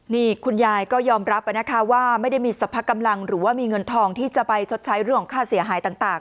นี่คุณยายก็ยอมรับนะคะว่าไม่ได้มีสรรพกำลังหรือว่ามีเงินทองที่จะไปชดใช้เรื่องของค่าเสียหายต่าง